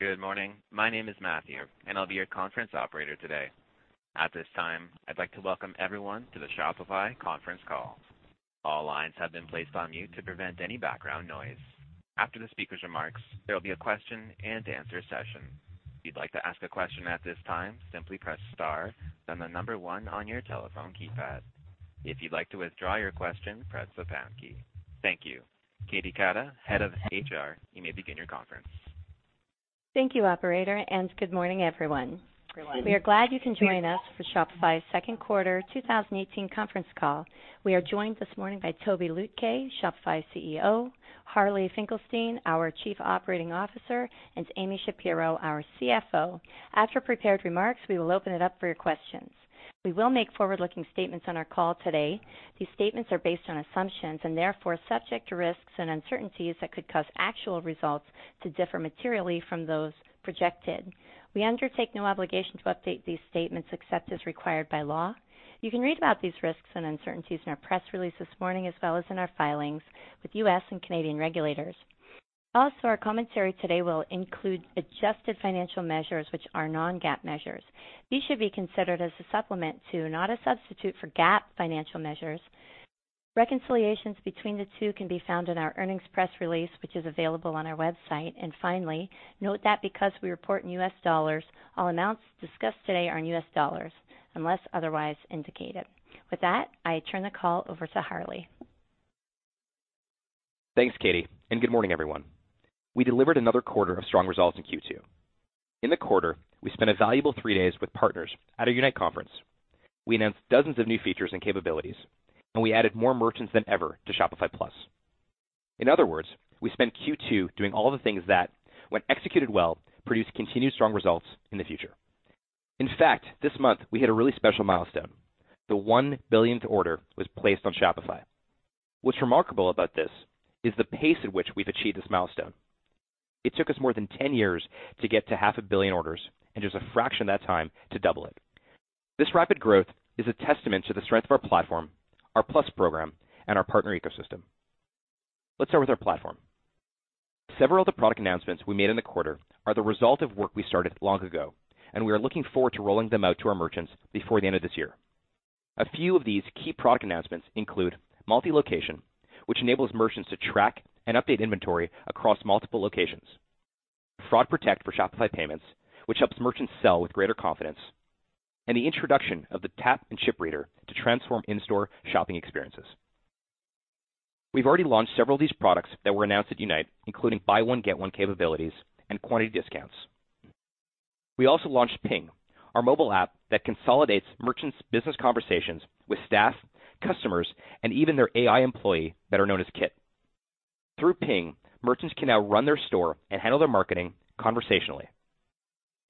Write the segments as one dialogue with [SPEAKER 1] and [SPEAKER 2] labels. [SPEAKER 1] Good morning. My name is Matthew, and I'll be your conference operator today. Thank you. Katie Keita, Head of IR, you may begin your conference.
[SPEAKER 2] Thank you, operator, and good morning, everyone. We are glad you can join us for Shopify's second quarter 2018 conference call. We are joined this morning by Tobi Lütke, Shopify's CEO, Harley Finkelstein, our Chief Operating Officer, and Amy Shapero, our CFO. After prepared remarks, we will open it up for your questions. We will make forward-looking statements on our call today. These statements are based on assumptions and therefore subject to risks and uncertainties that could cause actual results to differ materially from those projected. We undertake no obligation to update these statements except as required by law. You can read about these risks and uncertainties in our press release this morning, as well as in our filings with U.S. and Canadian regulators. Also, our commentary today will include adjusted financial measures which are non-GAAP measures. These should be considered as a supplement to, not a substitute for, GAAP financial measures. Reconciliations between the two can be found in our earnings press release, which is available on our website. Finally, note that because we report in U.S. dollars, all amounts discussed today are in U.S. dollars unless otherwise indicated. With that, I turn the call over to Harley.
[SPEAKER 3] Thanks, Katie, and good morning, everyone. We delivered another quarter of strong results in Q2. In the quarter, we spent a valuable three days with partners at our Unite conference. We announced dozens of new features and capabilities, and we added more merchants than ever to Shopify Plus. In other words, we spent Q2 doing all the things that when executed well, produce continued strong results in the future. In fact, this month we hit a really special milestone. The one-billionth order was placed on Shopify. What's remarkable about this is the pace at which we've achieved this milestone. It took us more than 10 years to get to half a billion orders and just a fraction of that time to double it. This rapid growth is a testament to the strength of our platform, our Plus program, and our partner ecosystem. Let's start with our platform. Several of the product announcements we made in the quarter are the result of work we started long ago, and we are looking forward to rolling them out to our merchants before the end of this year. A few of these key product announcements include multi-location, which enables merchants to track and update inventory across multiple locations. Fraud Protect for Shopify Payments, which helps merchants sell with greater confidence. The introduction of the tap and chip reader to transform in-store shopping experiences. We've already launched several of these products that were announced at Unite, including buy one get one capabilities and quantity discounts. We also launched Ping, our mobile app that consolidates merchants' business conversations with staff, customers, and even their AI employee, better known as Kit. Through Ping, merchants can now run their store and handle their marketing conversationally.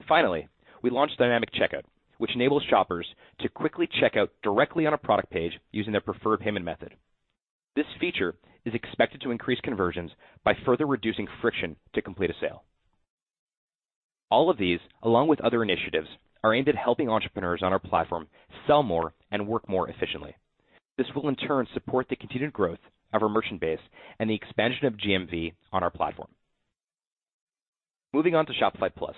[SPEAKER 3] Finally, we launched Dynamic Checkout, which enables shoppers to quickly check out directly on a product page using their preferred payment method. This feature is expected to increase conversions by further reducing friction to complete a sale. All of these, along with other initiatives, are aimed at helping entrepreneurs on our platform sell more and work more efficiently. This will, in turn, support the continued growth of our merchant base and the expansion of GMV on our platform. Moving on to Shopify Plus.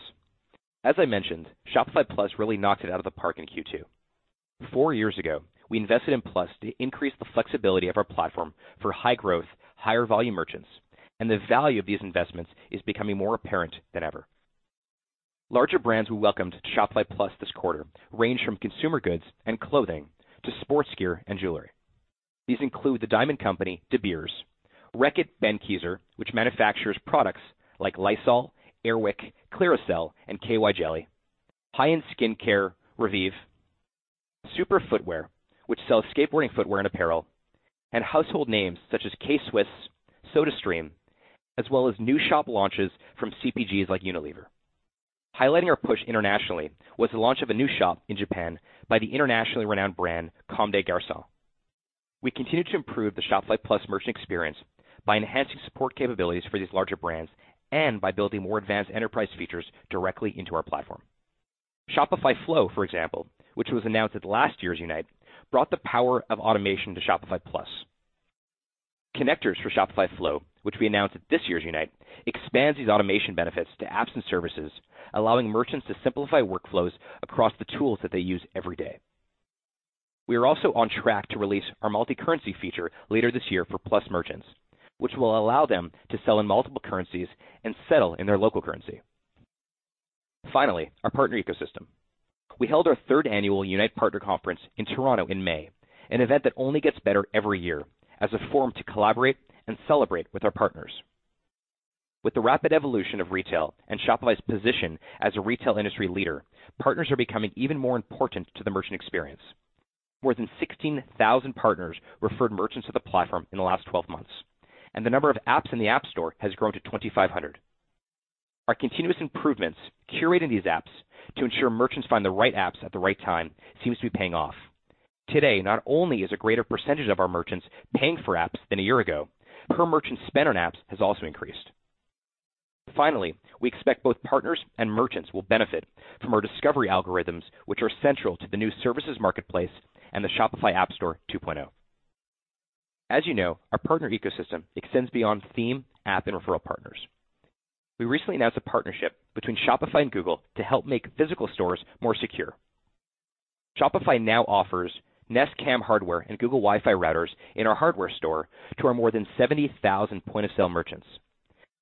[SPEAKER 3] As I mentioned, Shopify Plus really knocked it out of the park in Q2. Four years ago, we invested in Plus to increase the flexibility of our platform for high-growth, higher-volume merchants, and the value of these investments is becoming more apparent than ever. Larger brands we welcomed to Shopify Plus this quarter range from consumer goods and clothing to sports gear and jewelry. These include the diamond company De Beers, Reckitt Benckiser, which manufactures products like Lysol, Air Wick, Clearasil, and K-Y, high-end skincare, RéVive, Supra Footwear, which sells skateboarding footwear and apparel, and household names such as K-Swiss, SodaStream, as well as new shop launches from CPGs like Unilever. Highlighting our push internationally was the launch of a new shop in Japan by the internationally renowned brand, Comme des Garçons. We continue to improve the Shopify Plus merchant experience by enhancing support capabilities for these larger brands and by building more advanced enterprise features directly into our platform. Shopify Flow, for example, which was announced at last year's Unite, brought the power of automation to Shopify Plus. Connectors for Shopify Flow, which we announced at this year's Unite, expands these automation benefits to apps and services, allowing merchants to simplify workflows across the tools that they use every day. We are also on track to release our multi-currency feature later this year for Plus merchants, which will allow them to sell in multiple currencies and settle in their local currency. Finally, our partner ecosystem. We held our third annual Unite partner conference in Toronto in May, an event that only gets better every year as a forum to collaborate and celebrate with our partners. With the rapid evolution of retail and Shopify's position as a retail industry leader, partners are becoming even more important to the merchant experience. More than 16,000 partners referred merchants to the platform in the last 12 months, and the number of apps in the App Store has grown to 2,500. Our continuous improvements curating these apps to ensure merchants find the right apps at the right time seems to be paying off. Today, not only is a greater percentage of our merchants paying for apps than a year ago, per merchant spend on apps has also increased. Finally, we expect both partners and merchants will benefit from our discovery algorithms, which are central to the new services marketplace and the Shopify App Store 2.0. As you know, our partner ecosystem extends beyond theme, app, and referral partners. We recently announced a partnership between Shopify and Google to help make physical stores more secure. Shopify now offers Nest Cam hardware and Google Wifi routers in our hardware store to our more than 70,000 point-of-sale merchants.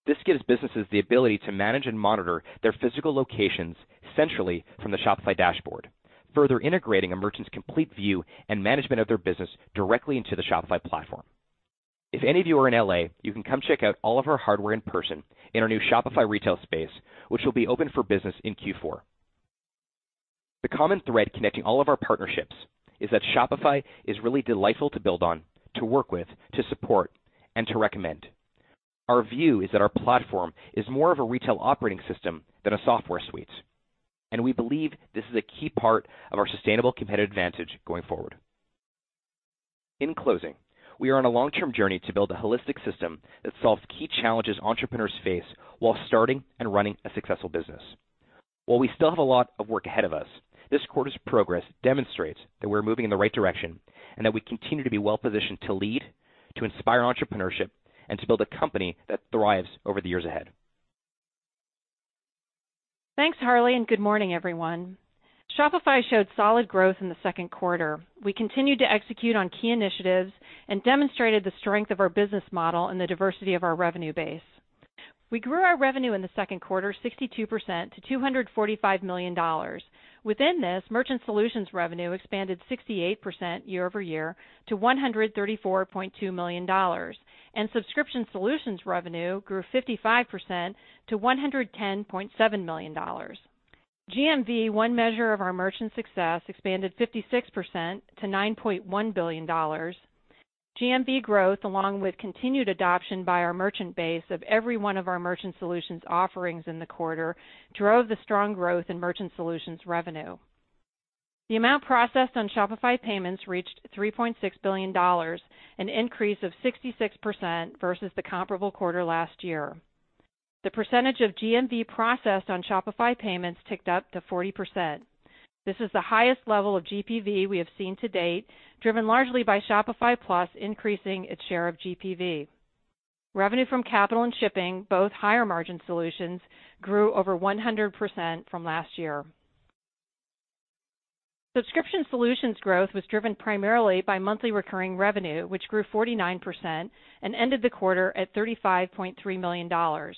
[SPEAKER 3] This gives businesses the ability to manage and monitor their physical locations centrally from the Shopify dashboard, further integrating a merchant's complete view and management of their business directly into the Shopify platform. If any of you are in L.A., you can come check out all of our hardware in person in our new Shopify retail space, which will be open for business in Q4. The common thread connecting all of our partnerships is that Shopify is really delightful to build on, to work with, to support, and to recommend. Our view is that our platform is more of a retail operating system than a software suite, and we believe this is a key part of our sustainable competitive advantage going forward. In closing, we are on a long-term journey to build a holistic system that solves key challenges entrepreneurs face while starting and running a successful business. While we still have a lot of work ahead of us, this quarter's progress demonstrates that we're moving in the right direction and that we continue to be well-positioned to lead, to inspire entrepreneurship, and to build a company that thrives over the years ahead.
[SPEAKER 4] Thanks, Harley, good morning, everyone. Shopify showed solid growth in the second quarter. We continued to execute on key initiatives and demonstrated the strength of our business model and the diversity of our revenue base. We grew our revenue in the second quarter 62% to $245 million. Within this, Merchant Solutions revenue expanded 68% year-over-year to $134.2 million, and Subscription Solutions revenue grew 55% to $110.7 million. GMV, one measure of our merchant success, expanded 56% to $9.1 billion. GMV growth, along with continued adoption by our merchant base of every one of our Merchant Solutions offerings in the quarter, drove the strong growth in Merchant Solutions revenue. The amount processed on Shopify Payments reached $3.6 billion, an increase of 66% versus the comparable quarter last year. The percentage of GMV processed on Shopify Payments ticked up to 40%. This is the highest level of GPV we have seen to date, driven largely by Shopify Plus increasing its share of GPV. Revenue from Capital and Shipping, both higher-margin solutions, grew over 100% from last year. Subscription Solutions growth was driven primarily by monthly recurring revenue, which grew 49% and ended the quarter at $35.3 million.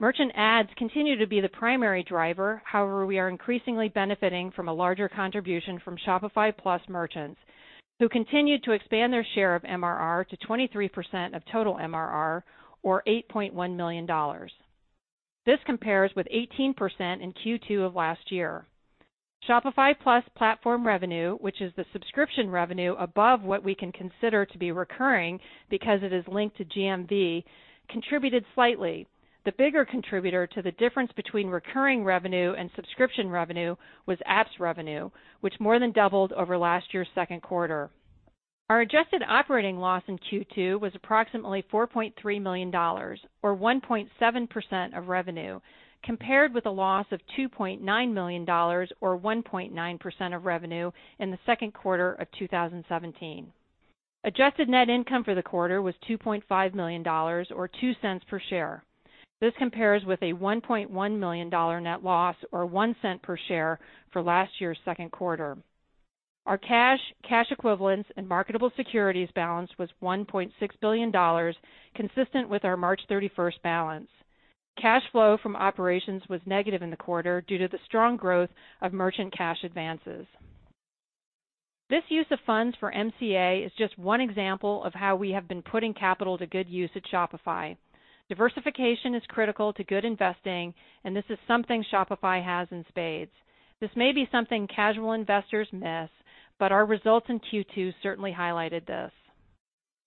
[SPEAKER 4] Merchant ads continue to be the primary driver. We are increasingly benefiting from a larger contribution from Shopify Plus merchants who continue to expand their share of MRR to 23% of total MRR or $8.1 million. This compares with 18% in Q2 of last year. Shopify Plus platform revenue, which is the Subscription Solutions revenue above what we can consider to be recurring because it is linked to GMV, contributed slightly. The bigger contributor to the difference between recurring revenue and Subscription Solutions revenue was apps revenue, which more than doubled over last year's second quarter. Our adjusted operating loss in Q2 was approximately $4.3 million or 1.7% of revenue, compared with a loss of $2.9 million or 1.9% of revenue in the second quarter of 2017. Adjusted net income for the quarter was $2.5 million or $0.02 per share. This compares with a $1.1 million net loss or $0.01 per share for last year's second quarter. Our cash equivalents, and marketable securities balance was $1.6 billion, consistent with our March 31st balance. Cash flow from operations was negative in the quarter due to the strong growth of merchant cash advances. This use of funds for MCA is just one example of how we have been putting capital to good use at Shopify. Diversification is critical to good investing, and this is something Shopify has in spades. This may be something casual investors miss, but our results in Q2 certainly highlighted this.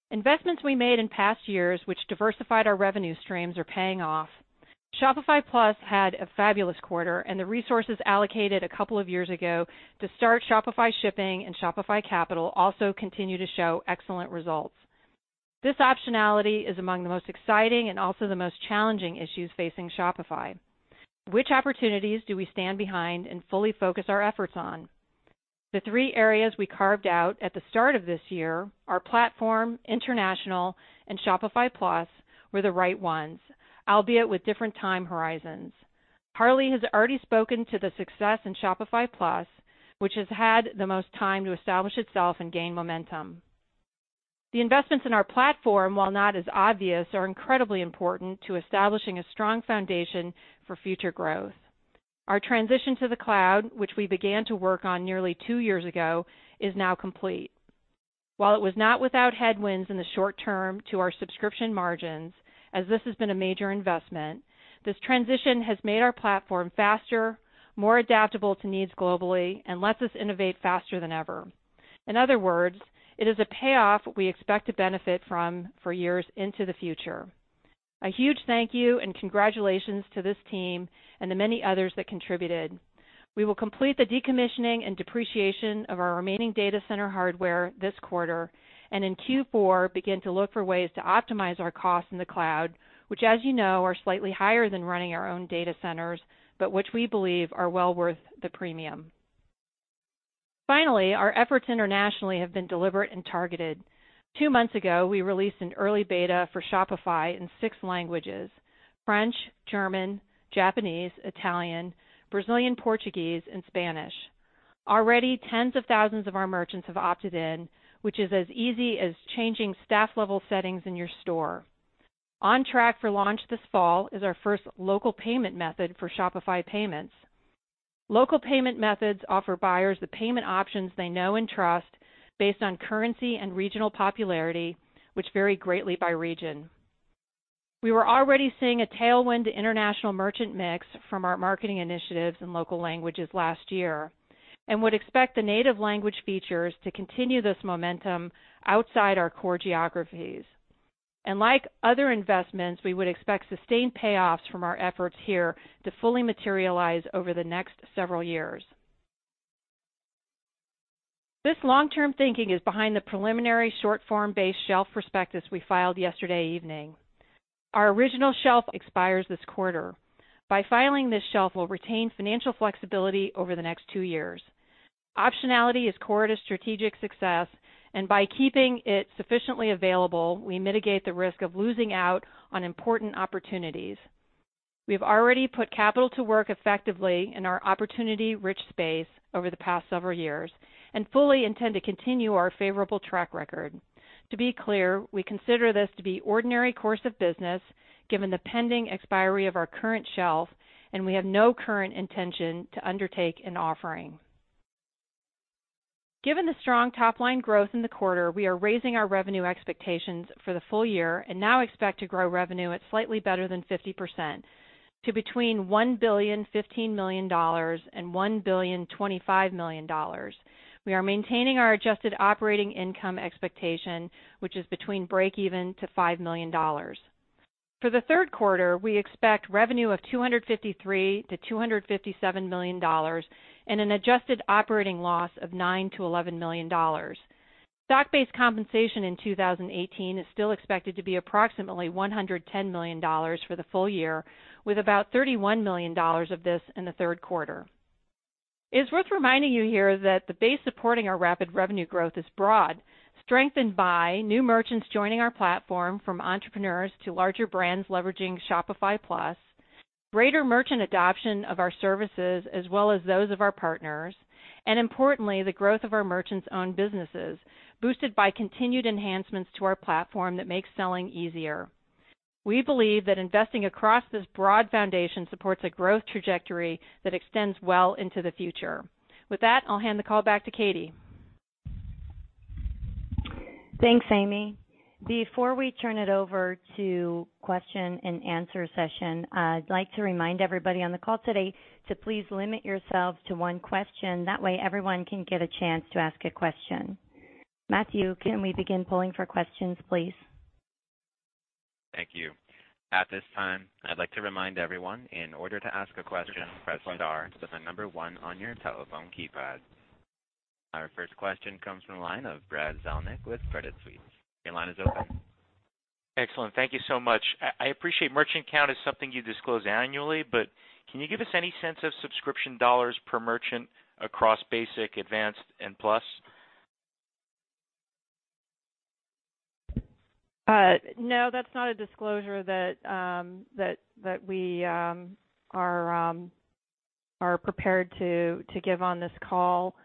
[SPEAKER 4] Investments we made in past years, which diversified our revenue streams, are paying off. Shopify Plus had a fabulous quarter, and the resources allocated a couple of years ago to start Shopify Shipping and Shopify Capital also continue to show excellent results. This optionality is among the most exciting and also the most challenging issues facing Shopify. Which opportunities do we stand behind and fully focus our efforts on? The three areas we carved out at the start of this year, our platform, international, and Shopify Plus, were the right ones, albeit with different time horizons. Harley has already spoken to the success in Shopify Plus, which has had the most time to establish itself and gain momentum. The investments in our platform, while not as obvious, are incredibly important to establishing a strong foundation for future growth. Our transition to the cloud, which we began to work on nearly two years ago, is now complete. While it was not without headwinds in the short term to our subscription margins, as this has been a major investment, this transition has made our platform faster, more adaptable to needs globally, and lets us innovate faster than ever. In other words, it is a payoff we expect to benefit from for years into the future. A huge thank you and congratulations to this team and the many others that contributed. We will complete the decommissioning and depreciation of our remaining data center hardware this quarter and in Q4 begin to look for ways to optimize our costs in the cloud, which as you know, are slightly higher than running our own data centers, but which we believe are well worth the premium. Our efforts internationally have been deliberate and targeted. Two months ago, we released an early beta for Shopify in 6 languages: French, German, Japanese, Italian, Brazilian Portuguese and Spanish. Already, tens of thousands of our merchants have opted in, which is as easy as changing staff-level settings in your store. On track for launch this fall is our first local payment method for Shopify Payments. Local payment methods offer buyers the payment options they know and trust based on currency and regional popularity, which vary greatly by region. We were already seeing a tailwind international merchant mix from our marketing initiatives in local languages last year and would expect the native language features to continue this momentum outside our core geographies. Like other investments, we would expect sustained payoffs from our efforts here to fully materialize over the next several years. This long-term thinking is behind the preliminary short form-based shelf prospectus we filed yesterday evening. Our original shelf expires this quarter. By filing, this shelf will retain financial flexibility over the next two years. Optionality is core to strategic success, and by keeping it sufficiently available, we mitigate the risk of losing out on important opportunities. We have already put capital to work effectively in our opportunity-rich space over the past several years and fully intend to continue our favorable track record. To be clear, we consider this to be ordinary course of business given the pending expiry of our current shelf, and we have no current intention to undertake an offering. Given the strong top-line growth in the quarter, we are raising our revenue expectations for the full year and now expect to grow revenue at slightly better than 50% to between $1.015 billion and $1.025 billion. We are maintaining our adjusted operating income expectation, which is between breakeven to $5 million. For the third quarter, we expect revenue of $253 million-$257 million and an adjusted operating loss of $9 million-$11 million. Stock-based compensation in 2018 is still expected to be approximately $110 million for the full year, with about $31 million of this in the third quarter. It's worth reminding you here that the base supporting our rapid revenue growth is broad, strengthened by new merchants joining our platform from entrepreneurs to larger brands leveraging Shopify Plus, greater merchant adoption of our services as well as those of our partners, and importantly, the growth of our merchants' own businesses, boosted by continued enhancements to our platform that makes selling easier. We believe that investing across this broad foundation supports a growth trajectory that extends well into the future. With that, I'll hand the call back to Katie.
[SPEAKER 2] Thanks, Amy. Before we turn it over to question and answer session, I'd like to remind everybody on the call today to please limit yourselves to one question. That way, everyone can get a chance to ask a question. Matthew, can we begin polling for questions, please?
[SPEAKER 1] Thank you. At this time, I'd like to remind everyone, in order to ask a question, press star, then the number 1 on your telephone keypad. Our first question comes from the line of Brad Zelnick with Credit Suisse. Your line is open.
[SPEAKER 5] Excellent. Thank you so much. I appreciate merchant count is something you disclose annually, but can you give us any sense of subscription dollars per merchant across basic, advanced and Plus?
[SPEAKER 4] No, that's not a disclosure that we are prepared to give on this call.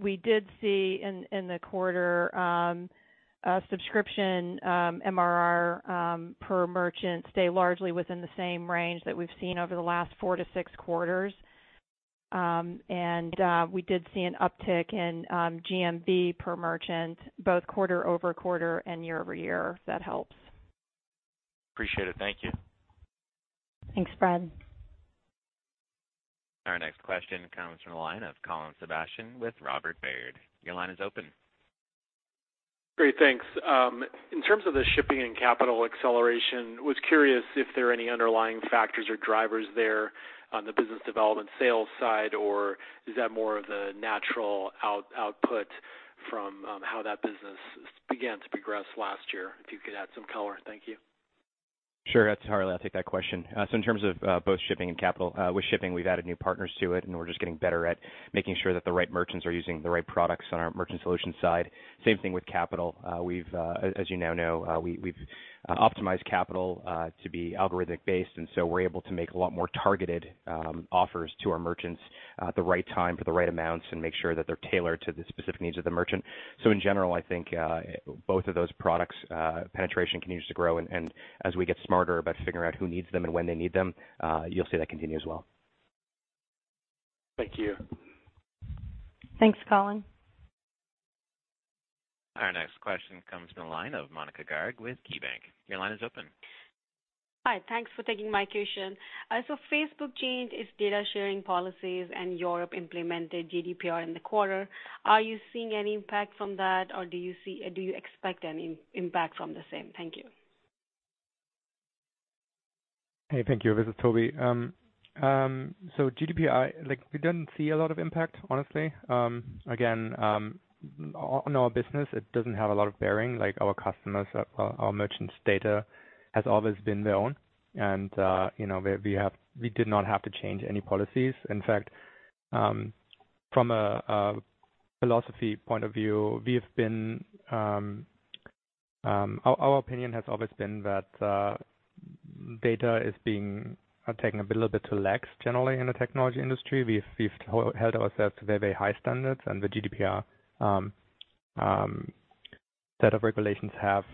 [SPEAKER 4] We did see in the quarter a Subscription MRR per merchant stay largely within the same range that we've seen over the last four-six quarters. We did see an uptick in GMV per merchant, both quarter-over-quarter and year-over-year, if that helps.
[SPEAKER 5] Appreciate it. Thank you.
[SPEAKER 2] Thanks, Brad.
[SPEAKER 1] Our next question comes from the line of Colin Sebastian with Robert W. Baird. Your line is open.
[SPEAKER 6] Great, thanks. In terms of the shipping and capital acceleration, was curious if there are any underlying factors or drivers there on the business development sales side, or is that more of the natural output from, how that business began to progress last year? If you could add some color. Thank you.
[SPEAKER 3] Sure. It's Harley. I'll take that question. In terms of both shipping and capital, with shipping, we've added new partners to it, and we're just getting better at making sure that the right merchants are using the right products on our Merchant Solutions side. Same thing with capital. As you now know, we've optimized capital to be algorithmic-based. We're able to make a lot more targeted offers to our merchants at the right time for the right amounts and make sure that they're tailored to the specific needs of the merchant. In general, I think both of those products, penetration continues to grow. As we get smarter about figuring out who needs them and when they need them, you'll see that continue as well.
[SPEAKER 6] Thank you.
[SPEAKER 2] Thanks, Colin.
[SPEAKER 1] Our next question comes from the line of Monika Garg with KeyBanc. Your line is open.
[SPEAKER 7] Hi. Thanks for taking my question. Facebook changed its data sharing policies and Europe implemented GDPR in the quarter. Are you seeing any impact from that, or do you expect any impact from the same? Thank you.
[SPEAKER 8] Hey, thank you. This is Tobi. GDPR, like, we didn't see a lot of impact, honestly. Again, on our business, it doesn't have a lot of bearing. Like, our customers, our merchants' data has always been their own. You know, we did not have to change any policies. In fact, From a philosophy point of view, we have been Our opinion has always been that data is being taken a little bit too lax generally in the technology industry. We've held ourselves to very, very high standards, the GDPR set of regulations have,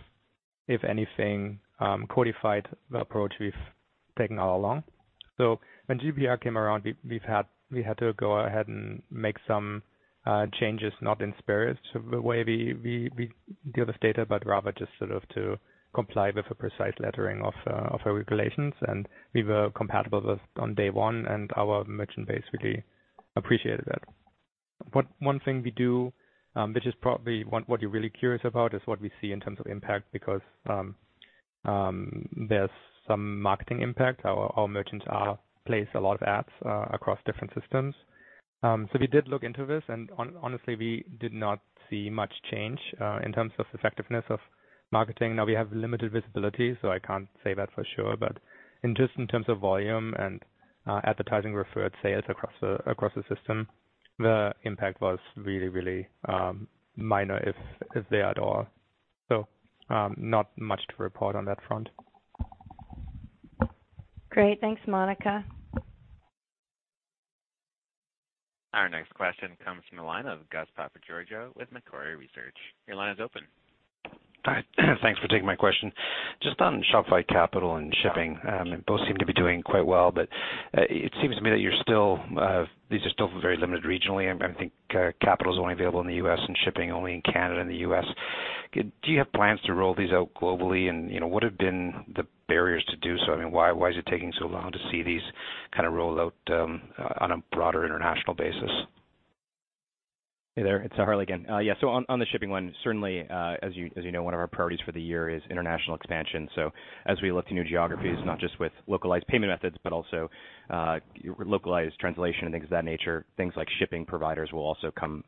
[SPEAKER 8] if anything, codified the approach we've taken all along. When GDPR came around, we had to go ahead and make some changes not in spirit to the way we deal with data, but rather just sort of to comply with the precise lettering of the regulations. We were compatible with on day one, and our merchant base really appreciated that. One thing we do, which is probably what you're really curious about, is what we see in terms of impact because there's some marketing impact. Our merchants are place a lot of ads across different systems. We did look into this, and honestly, we did not see much change in terms of effectiveness of marketing. Now, we have limited visibility, so I can't say that for sure. In terms of volume and advertising referred sales across the system, the impact was really minor, if there at all. Not much to report on that front.
[SPEAKER 2] Great. Thanks, Monika.
[SPEAKER 1] Our next question comes from the line of Gus Papageorgiou with Macquarie Research. Your line is open.
[SPEAKER 9] Hi. Thanks for taking my question. Just on Shopify Capital and shipping, both seem to be doing quite well, but it seems to me that you're still, these are still very limited regionally. I think Shopify Capital's only available in the U.S. and shipping only in Canada and the U.S. Do you have plans to roll these out globally? You know, what have been the barriers to do so? I mean, why is it taking so long to see these kind of roll out on a broader international basis?
[SPEAKER 3] Hey there. It's Harley again. Yeah, on the shipping one, certainly, as you know, one of our priorities for the year is international expansion. As we look to new geographies, not just with localized payment methods, but also localized translation and things of that nature, things like shipping providers will also come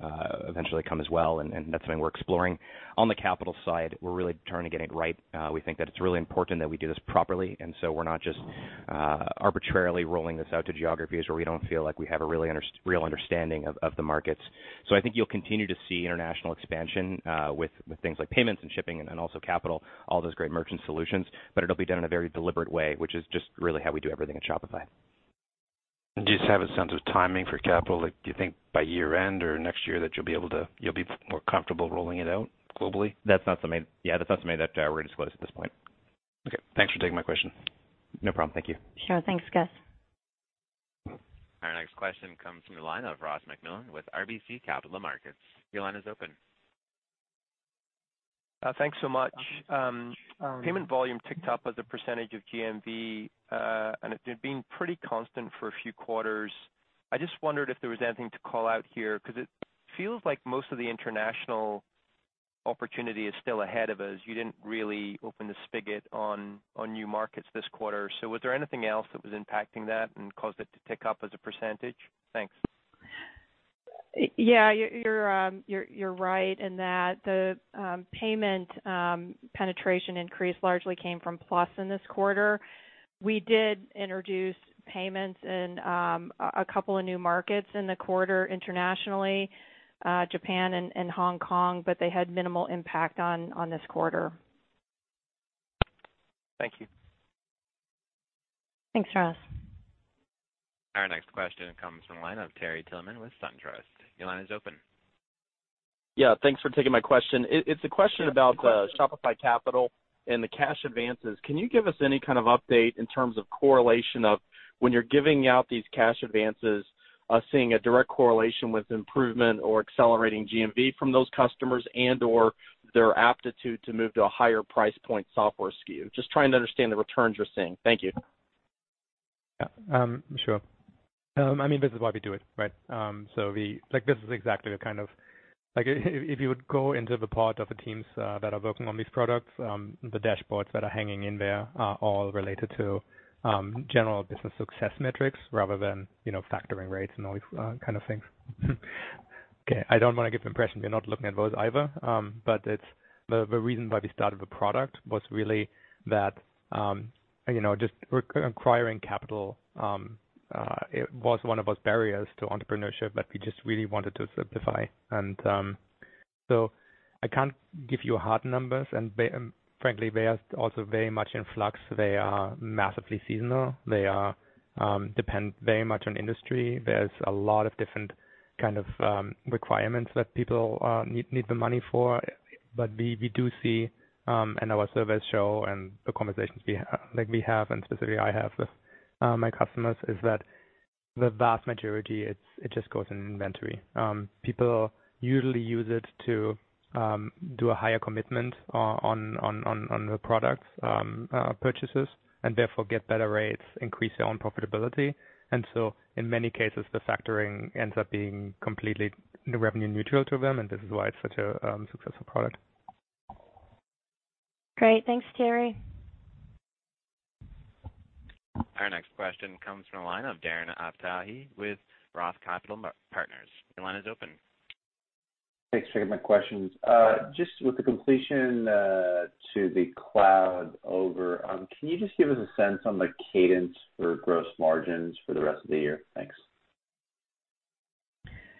[SPEAKER 3] eventually come as well, and that's something we're exploring. On the Capital side, we're really trying to get it right. We think that it's really important that we do this properly, we're not just arbitrarily rolling this out to geographies where we don't feel like we have a real understanding of the markets. I think you'll continue to see international expansion with things like payments and shipping and also Capital, all those great Merchant Solutions, but it'll be done in a very deliberate way, which is just really how we do everything at Shopify.
[SPEAKER 9] Do you just have a sense of timing for Capital? Do you think by year-end or next year that you'll be able to be more comfortable rolling it out globally?
[SPEAKER 3] That's not something that we're going to disclose at this point.
[SPEAKER 9] Okay. Thanks for taking my question.
[SPEAKER 3] No problem. Thank you.
[SPEAKER 2] Sure. Thanks, Gus.
[SPEAKER 1] Our next question comes from the line of Ross MacMillan with RBC Capital Markets. Your line is open.
[SPEAKER 10] Thanks so much. Payment volume ticked up as a % of GMV, and it had been pretty constant for a few quarters. I just wondered if there was anything to call out here, 'cause it feels like most of the international opportunity is still ahead of us. You didn't really open the spigot on new markets this quarter. Was there anything else that was impacting that and caused it to tick up as a %? Thanks.
[SPEAKER 4] You're right in that the payment penetration increase largely came from Plus in this quarter. We did introduce payments in a couple of new markets in the quarter internationally, Japan and Hong Kong, but they had minimal impact on this quarter.
[SPEAKER 10] Thank you.
[SPEAKER 2] Thanks, Ross.
[SPEAKER 1] Our next question comes from the line of Terry Tillman with SunTrust. Your line is open.
[SPEAKER 11] Yeah, thanks for taking my question. It's a question about the Shopify Capital and the cash advances. Can you give us any kind of update in terms of correlation of when you're giving out these cash advances, seeing a direct correlation with improvement or accelerating GMV from those customers and/or their aptitude to move to a higher price point software SKU? Just trying to understand the returns you're seeing. Thank you.
[SPEAKER 8] Yeah. Sure. I mean, this is why we do it, right? Like, this is exactly the kind of Like if you would go into the part of the teams that are working on these products, the dashboards that are hanging in there are all related to general business success metrics rather than, you know, factoring rates and all these kind of things. Okay, I don't wanna give the impression we're not looking at those either. It's the reason why we started the product was really that, you know, just re-acquiring capital, it was one of those barriers to entrepreneurship that we just really wanted to simplify. I can't give you hard numbers and frankly, they are also very much in flux. They are massively seasonal. They depend very much on industry. There's a lot of different kind of requirements that people need the money for. We do see, and our surveys show and the conversations we have, like we have and specifically I have with my customers, is that the vast majority, it just goes in inventory. People usually use it to do a higher commitment on the products purchases, and therefore get better rates, increase their own profitability. In many cases, the factoring ends up being completely revenue neutral to them, and this is why it's such a successful product.
[SPEAKER 2] Great. Thanks, Terry.
[SPEAKER 1] Our next question comes from the line of Darren Aftahi with Roth Capital Partners. Your line is open.
[SPEAKER 12] Thanks for taking my questions. Just with the completion to the cloud over, can you just give us a sense on the cadence for gross margins for the rest of the year? Thanks.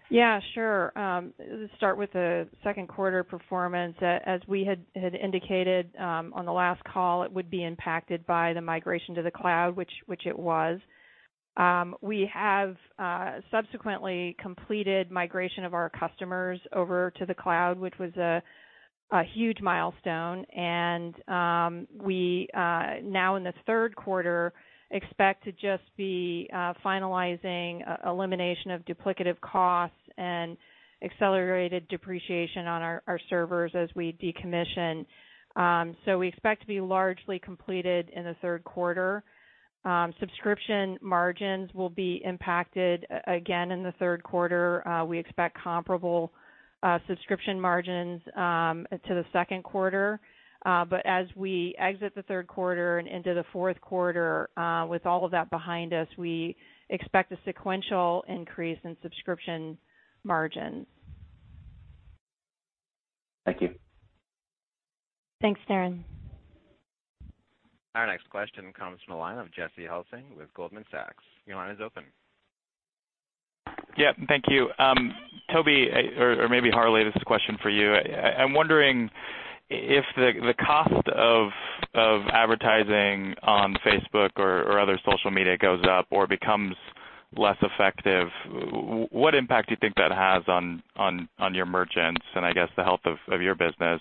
[SPEAKER 4] Yeah, sure. Let's start with the 2nd quarter performance. As we had indicated on the last call, it would be impacted by the migration to the cloud, which it was. We have subsequently completed migration of our customers over to the cloud, which was a huge milestone, and we now in the 3rd quarter expect to just be finalizing elimination of duplicative costs and accelerated depreciation on our servers as we decommission. We expect to be largely completed in the 3rd quarter. Subscription margins will be impacted again in the 3rd quarter. We expect comparable subscription margins to the 2nd quarter. As we exit the 3rd quarter and into the 4th quarter, with all of that behind us, we expect a sequential increase in subscription margins.
[SPEAKER 12] Thank you.
[SPEAKER 2] Thanks, Darren.
[SPEAKER 1] Our next question comes from the line of Jesse Hulsing with Goldman Sachs. Your line is open.
[SPEAKER 13] Yeah. Thank you. Tobi, or maybe Harley, this is a question for you. I'm wondering if the cost of advertising on Facebook or other social media goes up or becomes less effective, what impact do you think that has on your merchants and I guess the health of your business?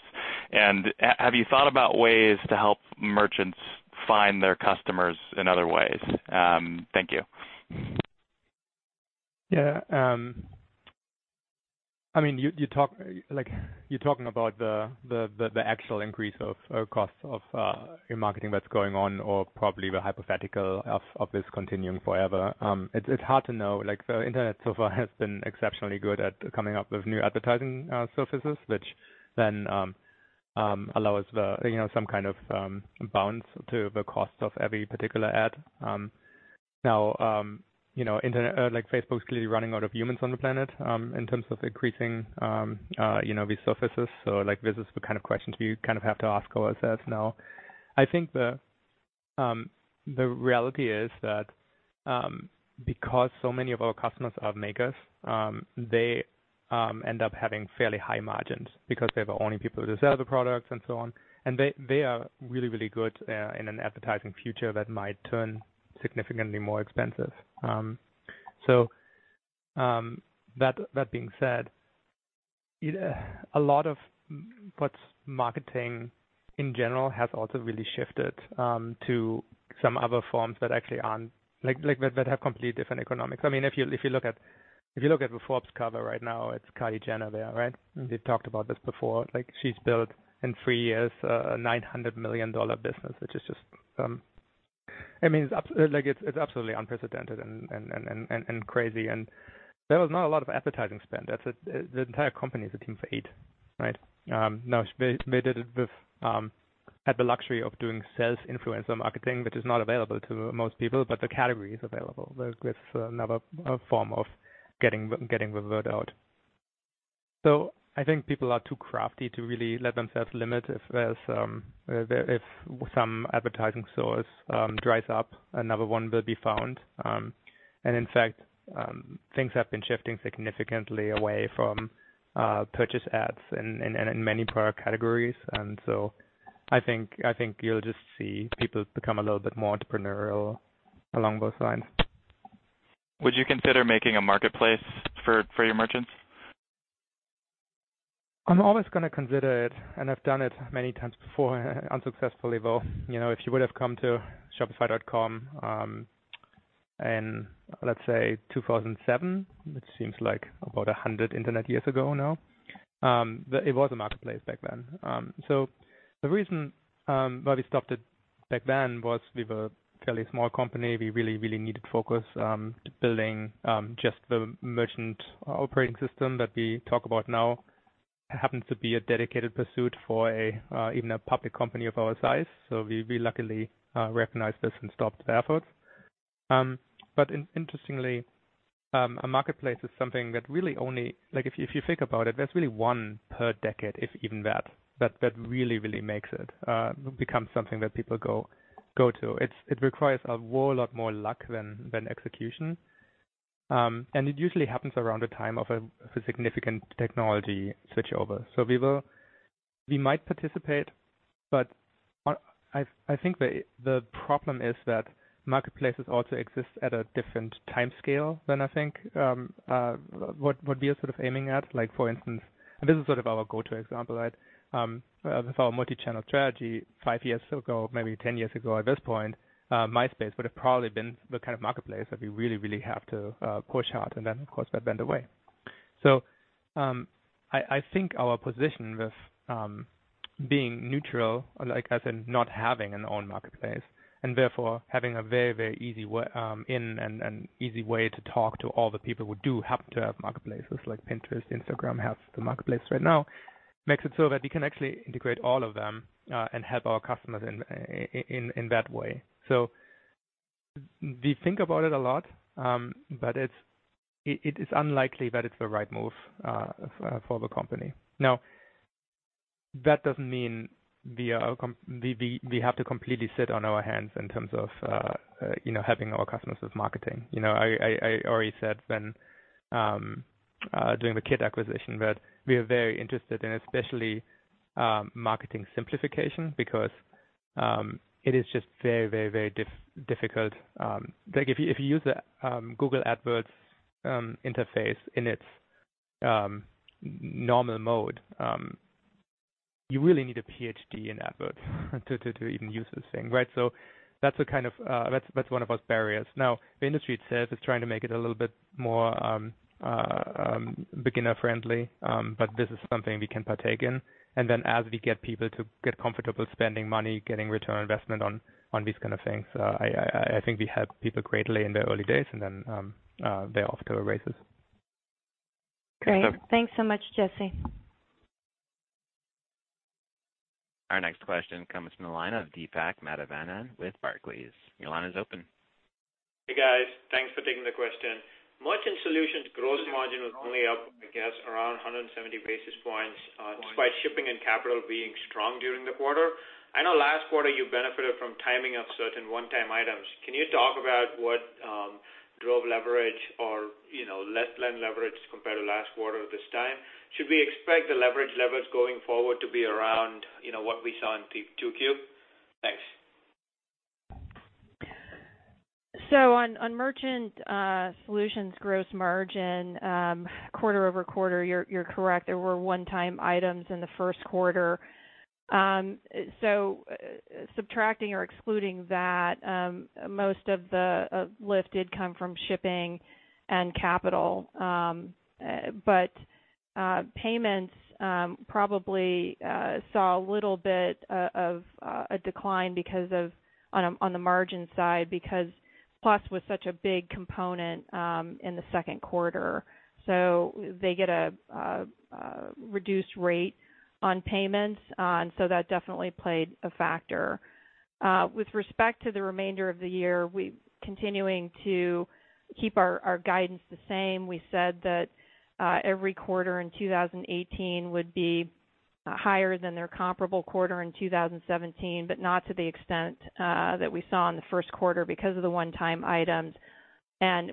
[SPEAKER 13] Have you thought about ways to help merchants find their customers in other ways? Thank you.
[SPEAKER 8] I mean, you talk, like you're talking about the actual increase of costs of your marketing that's going on, or probably the hypothetical of this continuing forever. It's hard to know, like the internet so far has been exceptionally good at coming up with new advertising surfaces, which then allows the, you know, some kind of bounds to the cost of every particular ad. Now, you know, internet, like Facebook's clearly running out of humans on the planet in terms of increasing, you know, these surfaces. Like, this is the kind of questions we kind of have to ask ourselves now. I think the reality is that because so many of our customers are makers, they end up having fairly high margins because they're the only people who sell the products and so on, and they are really, really good in an advertising future that might turn significantly more expensive. That being said, a lot of what's marketing in general has also really shifted to some other forms that actually aren't Like that have completely different economics. I mean, if you look at the Forbes cover right now, it's Kylie Jenner there, right? We've talked about this before, like she's built in three years, a $900 million business, which is just, I mean, it's absolutely unprecedented and crazy. There was not a lot of advertising spend. The entire company is a team of eight, right? Now they did it with had the luxury of doing sales influencer marketing, which is not available to most people, but the category is available with another form of getting the word out. I think people are too crafty to really let themselves limit if there's, if some advertising source dries up, another one will be found. In fact, things have been shifting significantly away from purchase ads in many product categories. I think you'll just see people become a little bit more entrepreneurial along those lines.
[SPEAKER 13] Would you consider making a marketplace for your merchants?
[SPEAKER 8] I'm always gonna consider it, and I've done it many times before unsuccessfully though. You know, if you would've come to shopify.com, in let's say 2007, which seems like about 100 internet years ago now, it was a marketplace back then. The reason why we stopped it back then was we were a fairly small company. We really, really needed focus to building just the merchant operating system that we talk about now happens to be a dedicated pursuit for a even a public company of our size. We luckily recognized this and stopped the efforts. Interestingly, a marketplace is something that really only, like if you, if you think about it, there's really one per decade, if even that really makes it become something that people go to. It requires a whole lot more luck than execution. It usually happens around a time of a significant technology switchover. We might participate, but I think the problem is that marketplaces also exist at a different timescale than I think what we are sort of aiming at. Like for instance, and this is sort of our go-to example, right? With our multi-channel strategy five years ago, maybe 10 years ago at this point, MySpace would've probably been the kind of marketplace that we really have to push hard and then of course that went away. I think our position with being neutral, like as in not having an own marketplace, and therefore having a very easy way in and easy way to talk to all the people who do happen to have marketplaces like Pinterest, Instagram has the marketplace right now, makes it so that we can actually integrate all of them and help our customers in, in that way. We think about it a lot, but it's, it is unlikely that it's the right move for the company. Now that doesn't mean we have to completely sit on our hands in terms of, you know, helping our customers with marketing. You know, I already said when doing the Kit acquisition that we are very interested in, especially marketing simplification because it is just very difficult. Like if you use the Google AdWords interface in its normal mode, you really need a PhD in AdWords to even use this thing, right? That's the kind of, that's one of those barriers. The industry itself is trying to make it a little bit more beginner friendly, but this is something we can partake in. As we get people to get comfortable spending money, getting return on investment on these kind of things, I think we help people greatly in their early days. They're off to the races.
[SPEAKER 2] Great. Thanks so much, Jesse.
[SPEAKER 1] Our next question comes from the line of Deepak Mathivanan with Barclays. Your line is open.
[SPEAKER 14] Hey, guys. Thanks for taking the question. Merchant Solutions gross margin was only up, I guess, around 170 basis points, despite shipping and capital being strong during the quarter. I know last quarter you benefited from timing of certain one-time items. Can you talk about what drove leverage or, you know, less than leverage compared to last quarter this time? Should we expect the leverage levers going forward to be around, you know, what we saw in Q2? Thanks.
[SPEAKER 4] On Merchant Solutions gross margin quarter-over-quarter, you're correct. There were one-time items in the first quarter. Subtracting or excluding that, most of the lift did come from Shopify Shipping and Shopify Capital. Shopify Payments probably saw a little bit of a decline because of on the margin side because Shopify Plus was such a big component in the second quarter. They get a reduced rate on Shopify Payments. That definitely played a factor. With respect to the remainder of the year, we're continuing to keep our guidance the same. We said that every quarter in 2018 would be higher than their comparable quarter in 2017, but not to the extent that we saw in the first quarter because of the one-time items.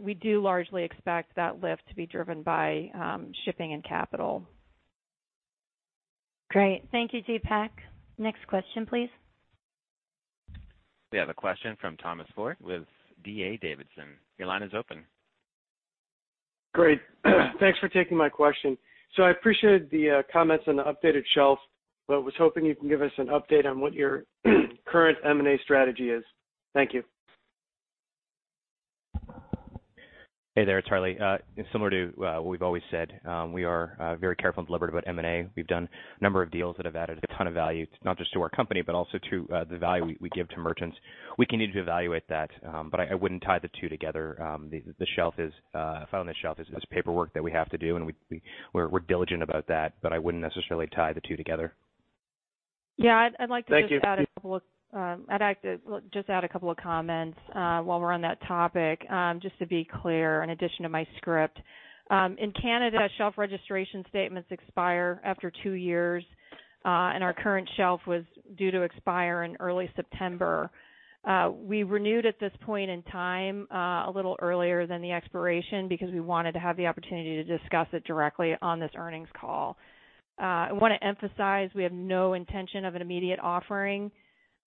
[SPEAKER 4] We do largely expect that lift to be driven by shipping and capital.
[SPEAKER 1] Great. Thank you, Deepak. Next question, please. We have a question from Thomas Forte with D.A. Davidson. Your line is open.
[SPEAKER 15] Great. Thanks for taking my question. I appreciated the comments on the updated shelf, but was hoping you can give us an update on what your current M&A strategy is. Thank you.
[SPEAKER 3] Hey there, it's Harley. Similar to what we've always said, we are very careful and deliberate about M&A. We've done a number of deals that have added a ton of value, not just to our company, but also to the value we give to merchants. We continue to evaluate that, but I wouldn't tie the two together. The shelf is filing a shelf is paperwork that we have to do, we're diligent about that, but I wouldn't necessarily tie the two together.
[SPEAKER 4] Yeah, I'd like to just add.
[SPEAKER 15] Thank you.
[SPEAKER 4] I'd like to just add a couple of comments while we're on that topic, just to be clear, in addition to my script. In Canada, shelf registration statements expire after two years, and our current shelf was due to expire in early September. We renewed at this point in time a little earlier than the expiration because we wanted to have the opportunity to discuss it directly on this earnings call. I wanna emphasize we have no intention of an immediate offering.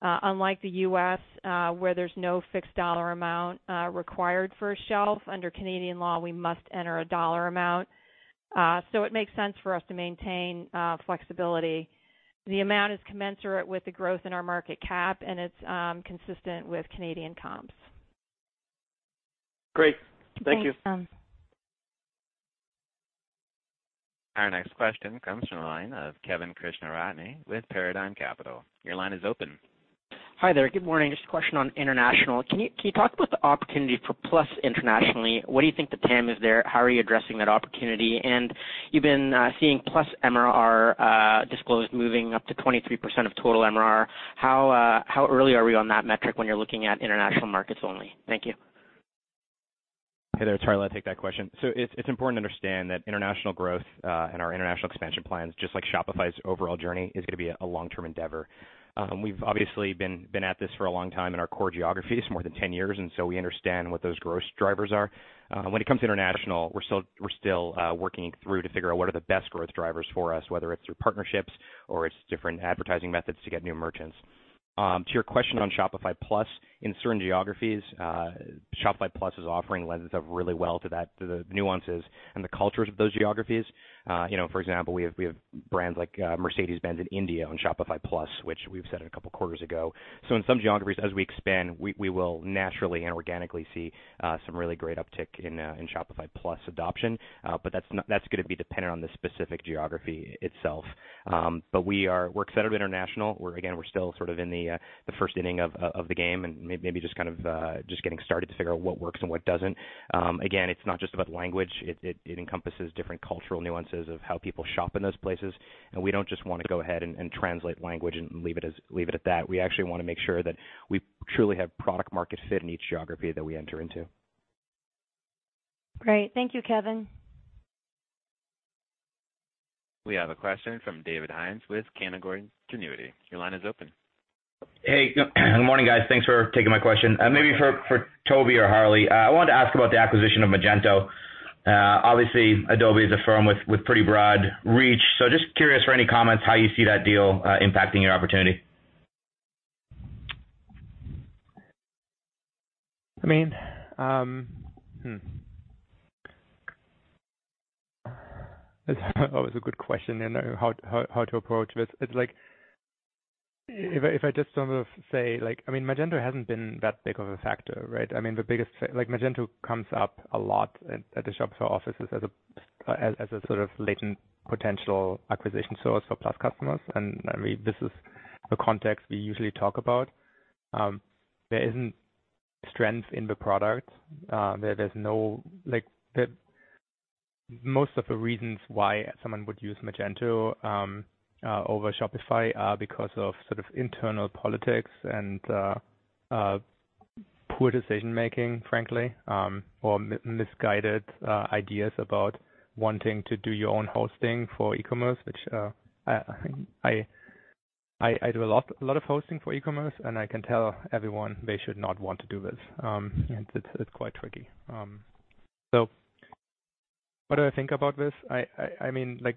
[SPEAKER 4] Unlike the U.S., where there's no fixed dollar amount required for a shelf, under Canadian law, we must enter a dollar amount. It makes sense for us to maintain flexibility. The amount is commensurate with the growth in our market cap, and it's consistent with Canadian comps.
[SPEAKER 15] Great. Thank you.
[SPEAKER 2] Thanks, Tom.
[SPEAKER 1] Our next question comes from the line of Kevin Krishnaratne with Paradigm Capital. Your line is open.
[SPEAKER 16] Hi there. Good morning. Just a question on international. Can you talk about the opportunity for Shopify Plus internationally? What do you think the TAM is there? How are you addressing that opportunity? You've been seeing Shopify Plus MRR disclosed moving up to 23% of total MRR. How early are we on that metric when you're looking at international markets only? Thank you.
[SPEAKER 3] Hey there, it's Harley. I'll take that question. It's important to understand that international growth, and our international expansion plans, just like Shopify's overall journey, is gonna be a long-term endeavor. We've obviously been at this for a long time in our core geographies, more than 10 years, and so we understand what those growth drivers are. When it comes to international, we're still working through to figure out what are the best growth drivers for us, whether it's through partnerships or it's different advertising methods to get new merchants. To your question on Shopify Plus, in certain geographies, Shopify Plus' offering lends itself really well to that, to the nuances and the cultures of those geographies. You know, for example, we have brands like Mercedes-Benz in India on Shopify Plus, which we've said a couple quarters ago. In some geographies, as we expand, we will naturally and organically see some really great uptick in Shopify Plus adoption. But that's gonna be dependent on the specific geography itself. But we're excited about international. We're, again, we're still sort of in the first inning of the game and maybe just kind of just getting started to figure out what works and what doesn't. Again, it's not just about language. It encompasses different cultural nuances of how people shop in those places. We don't just wanna go ahead and translate language and leave it at that. We actually wanna make sure that we truly have product market fit in each geography that we enter into.
[SPEAKER 2] Great. Thank you, Kevin.
[SPEAKER 1] We have a question from David Hynes with Canaccord Genuity. Your line is open.
[SPEAKER 17] Hey. Good morning, guys. Thanks for taking my question. Maybe for Tobi or Harley, I wanted to ask about the acquisition of Magento. Obviously Adobe is a firm with pretty broad reach, so just curious for any comments how you see that deal impacting your opportunity.
[SPEAKER 8] I mean, That's always a good question, you know, how to approach this. It's like if I just sort of say like, I mean, Magento hasn't been that big of a factor, right? I mean, the biggest like Magento comes up a lot at the Shopify offices as a sort of latent potential acquisition source for Plus customers. I mean, this is the context we usually talk about. There isn't strength in the product. There's no like the Most of the reasons why someone would use Magento over Shopify are because of sort of internal politics and poor decision-making, frankly, or misguided ideas about wanting to do your own hosting for e-commerce, which I do a lot of hosting for e-commerce, and I can tell everyone they should not want to do this. It's quite tricky. What do I think about this? I mean, like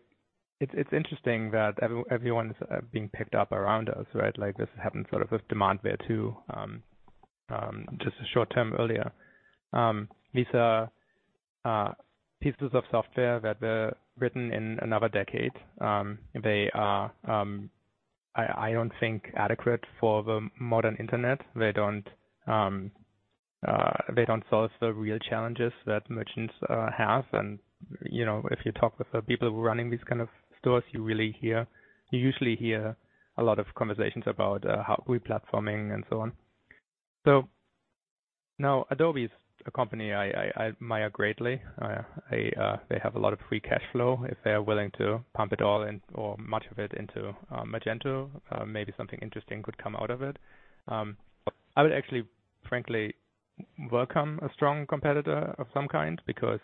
[SPEAKER 8] it's interesting that everyone's being picked up around us, right? This happened sort of with Demandware, too, just a short time earlier. These are pieces of software that were written in another decade. They are, I don't think adequate for the modern internet. They don't solve the real challenges that merchants have. You know, if you talk with the people who are running these kind of stores, you usually hear a lot of conversations about how re-platforming and so on. Now Adobe is a company I admire greatly. They have a lot of free cash flow. If they are willing to pump it all in or much of it into Magento, maybe something interesting could come out of it. I would actually frankly welcome a strong competitor of some kind because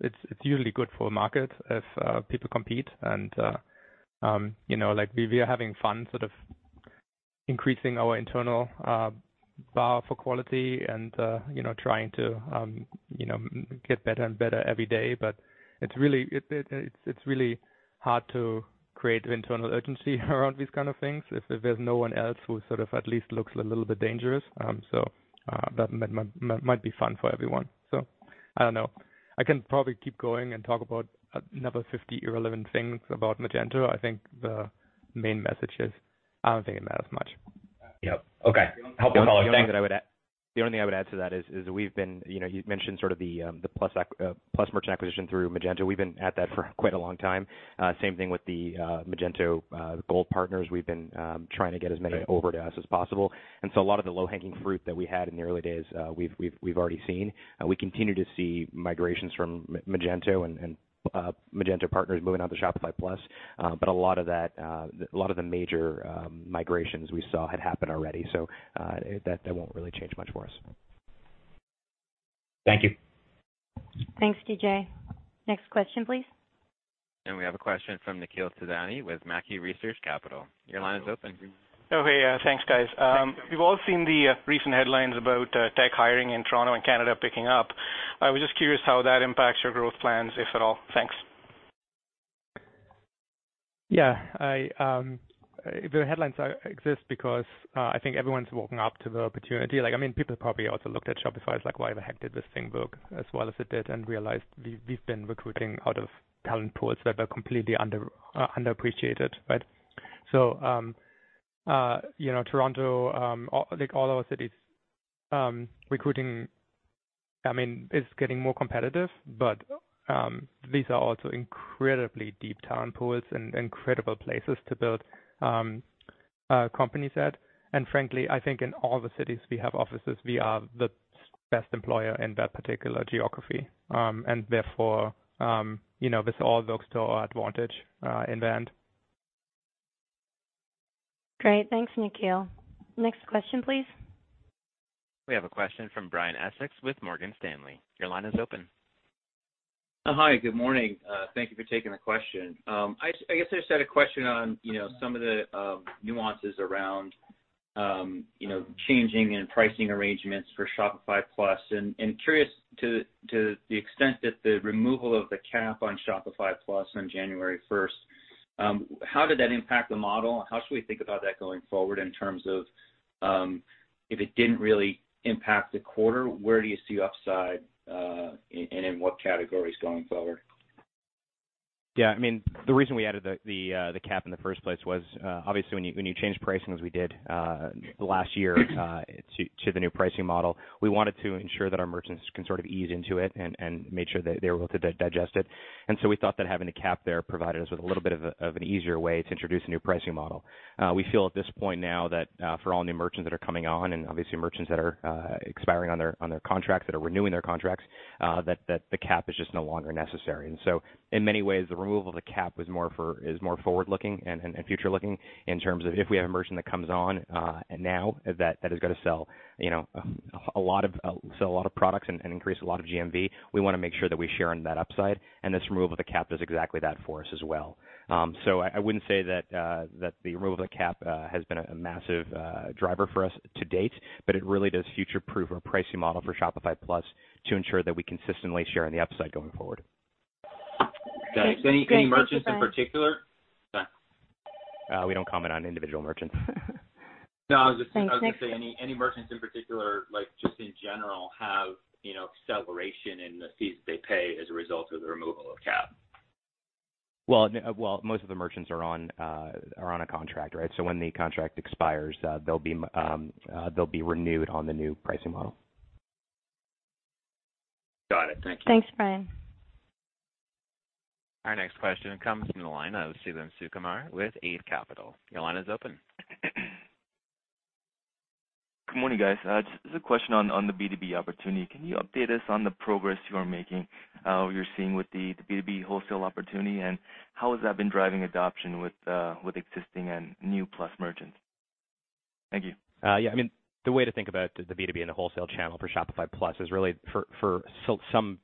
[SPEAKER 8] it's usually good for a market if people compete and, you know, like we are having fun sort of increasing our internal bar for quality and, you know, trying to, you know, get better and better every day. It's really hard to create internal urgency around these kind of things if there's no one else who sort of at least looks a little bit dangerous. That might be fun for everyone. I don't know. I can probably keep going and talk about another 50 irrelevant things about Magento. I think the main message is I don't think it matters much.
[SPEAKER 17] Yep. Okay. Helpful follow up. Thanks.
[SPEAKER 3] The only thing that I would add, the only thing I would add to that is we've been, you know, you mentioned sort of the Plus merchant acquisition through Magento. We've been at that for quite a long time. Same thing with the Magento Gold Partners. We've been trying to get as many over to us as possible. A lot of the low-hanging fruit that we had in the early days, we've already seen. We continue to see migrations from Magento and Magento partners moving on to Shopify Plus. A lot of that, a lot of the major migrations we saw had happened already, so that won't really change much for us.
[SPEAKER 17] Thank you.
[SPEAKER 2] Thanks, DJ. Next question, please.
[SPEAKER 1] We have a question from Nikhil Thadani with Mackie Research Capital. Your line is open.
[SPEAKER 18] Oh, hey. Thanks, guys. We've all seen the recent headlines about tech hiring in Toronto and Canada picking up. I was just curious how that impacts your growth plans, if at all. Thanks.
[SPEAKER 8] Yeah. I, the headlines exist because, I think everyone's woken up to the opportunity. Like, I mean, people probably also looked at Shopify as like, why the heck did this thing work as well as it did? Realized we've been recruiting out of talent pools that are completely underappreciated, right? You know, Toronto, like all our cities, recruiting, I mean, is getting more competitive, but these are also incredibly deep talent pools and incredible places to build companies at. Frankly, I think in all the cities we have offices, we are the best employer in that particular geography. Therefore, you know, this all works to our advantage in the end.
[SPEAKER 2] Great. Thanks, Nikhil. Next question, please.
[SPEAKER 1] We have a question from Brian Essex with Morgan Stanley. Your line is open.
[SPEAKER 19] Hi, good morning. Thank you for taking the question. I guess I just had a question on, you know, some of the nuances around, you know, changing and pricing arrangements for Shopify Plus. Curious to the extent that the removal of the cap on Shopify Plus on January 1st, how did that impact the model? How should we think about that going forward in terms of, if it didn't really impact the quarter, where do you see upside, and in what categories going forward?
[SPEAKER 3] Yeah, I mean, the reason we added the cap in the first place was obviously when you change pricing as we did last year to the new pricing model, we wanted to ensure that our merchants can sort of ease into it and made sure that they were able to digest it. We thought that having a cap there provided us with a little bit of an easier way to introduce a new pricing model. We feel at this point now that for all new merchants that are coming on and obviously merchants that are expiring on their contracts, that are renewing their contracts, that the cap is just no longer necessary. In many ways, the removal of the cap is more forward-looking and future looking in terms of if we have a merchant that comes on now that is going to sell, you know, a lot of products and increase a lot of GMV, we want to make sure that we share in that upside, and this removal of the cap does exactly that for us as well. I wouldn't say that the removal of the cap has been a massive driver for us to date, but it really does future-proof our pricing model for Shopify Plus to ensure that we consistently share in the upside going forward.
[SPEAKER 19] Thanks. Any merchants in particular?
[SPEAKER 3] We don't comment on individual merchants.
[SPEAKER 19] No.
[SPEAKER 2] Thanks, Fick.
[SPEAKER 19] I was going to say any merchants in particular, like just in general, have, you know, acceleration in the fees that they pay as a result of the removal of CAP?
[SPEAKER 3] Well, most of the merchants are on a contract, right? When the contract expires, they'll be renewed on the new pricing model.
[SPEAKER 19] Got it. Thank you.
[SPEAKER 2] Thanks, Brian.
[SPEAKER 1] Our next question comes from the line of Suthan Sukumar with Eight Capital. Your line is open.
[SPEAKER 20] Good morning, guys. Just a question on the B2B opportunity. Can you update us on the progress you are making or you're seeing with the B2B wholesale opportunity? How has that been driving adoption with existing and new Plus merchants? Thank you.
[SPEAKER 3] I mean, the way to think about the B2B and the wholesale channel for Shopify Plus is really for some,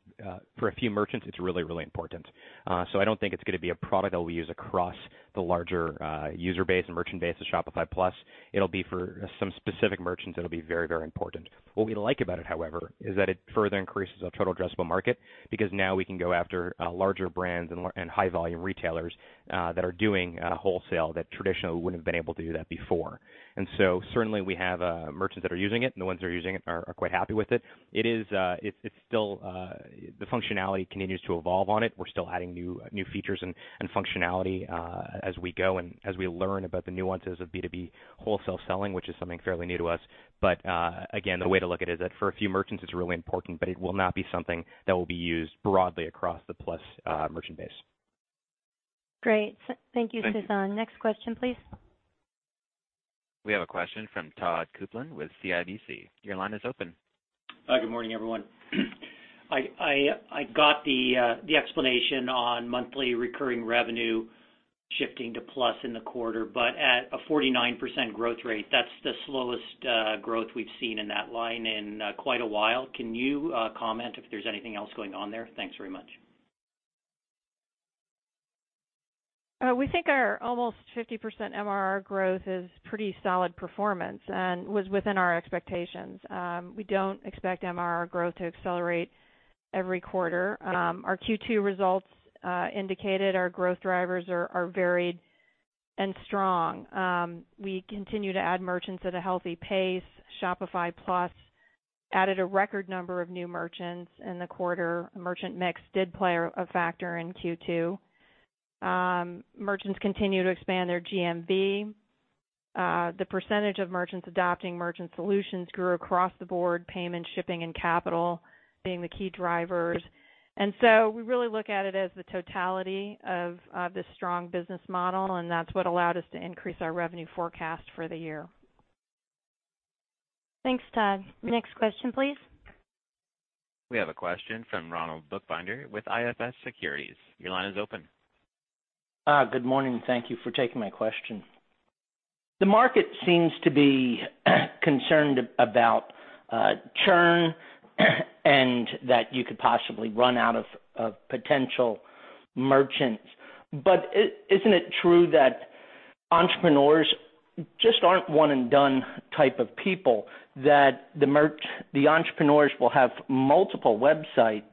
[SPEAKER 3] for a few merchants, it's really, really important. I don't think it's gonna be a product that we use across the larger user base and merchant base of Shopify Plus. It'll be for some specific merchants, it'll be very, very important. What we like about it, however, is that it further increases our total addressable market because now we can go after larger brands and high volume retailers that are doing wholesale that traditionally wouldn't have been able to do that before. Certainly we have merchants that are using it, and the ones that are using it are quite happy with it. It is, it's still, the functionality continues to evolve on it. We're still adding new features and functionality, as we go and as we learn about the nuances of B2B wholesale selling, which is something fairly new to us. Again, the way to look at it is that for a few merchants, it's really important, but it will not be something that will be used broadly across the Plus merchant base.
[SPEAKER 2] Great. Thank you, Suthan.
[SPEAKER 20] Thank you.
[SPEAKER 2] Next question, please.
[SPEAKER 1] We have a question from Todd Coupland with CIBC. Your line is open.
[SPEAKER 21] Good morning, everyone. I got the explanation on monthly recurring revenue shifting to Plus in the quarter, but at a 49% growth rate, that's the slowest growth we've seen in that line in quite a while. Can you comment if there's anything else going on there? Thanks very much.
[SPEAKER 4] We think our almost 50% MRR growth is pretty solid performance and was within our expectations. We don't expect MRR growth to accelerate every quarter. Our Q2 results indicated our growth drivers are varied and strong. We continue to add merchants at a healthy pace. Shopify Plus added a record number of new merchants in the quarter. Merchant mix did play a factor in Q2. Merchants continue to expand their GMV. The percentage of merchants adopting Merchant Solutions grew across the board, payment, shipping, and capital being the key drivers. We really look at it as the totality of this strong business model, and that's what allowed us to increase our revenue forecast for the year.
[SPEAKER 2] Thanks, Todd. Next question, please.
[SPEAKER 1] We have a question from Ronald Bookbinder with IFS Securities. Your line is open.
[SPEAKER 22] Good morning. Thank you for taking my question. The market seems to be concerned about churn and that you could possibly run out of potential merchants. Isn't it true that entrepreneurs just aren't one and done type of people, that the entrepreneurs will have multiple websites,